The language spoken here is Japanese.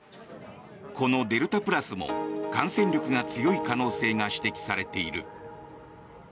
このデルタプラスも感染力が強い可能性が指摘されている。